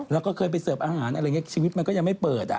แล้วก็เคยไปเสิร์ฟอาหารอะไรอย่างนี้ชีวิตมันก็ยังไม่เปิด